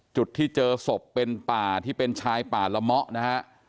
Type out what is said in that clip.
จุดที่เจอศพเป็นป่าที่เป็นชายป่าละเมาะนะฮะ